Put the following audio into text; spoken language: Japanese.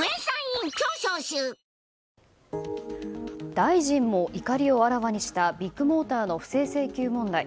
大臣も怒りをあらわにしたビッグモーターの不正請求問題。